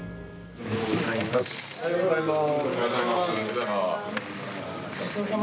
おはようございます。